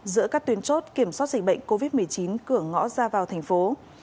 giữa các tuyến chốt kiểm soát dịch bệnh covid một mươi chín cửa ngõ ra vào thành phố